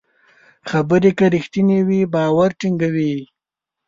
خبرې که رښتینې وي، باور ټینګوي.